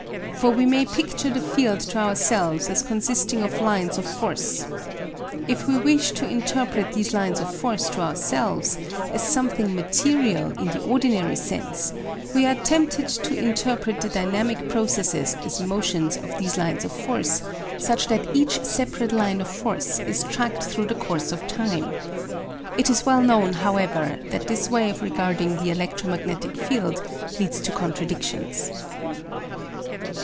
For we may picture the field to ourselves as consisting of lines of force. If we wish to interpret these lines of force to ourselves as something material in the ordinary sense, we are tempted to interpret the dynamic processes as motions of these lines of force, such that each separate line of force is tracked through the course of time. It is well known, however, that this way of regarding the electromagnetic field leads to contradictions.